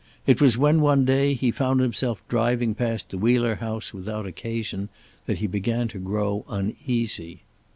It was when, one day, he found himself driving past the Wheeler house without occasion that he began to grow uneasy.